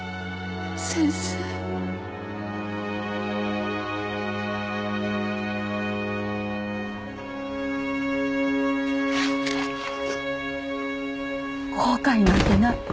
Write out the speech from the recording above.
先生後悔なんてない。